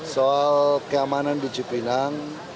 soal keamanan di cipinang